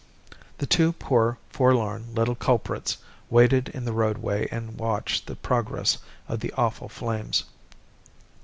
The two poor, forlorn little culprits waited in the roadway and watched the progress of the awful flames.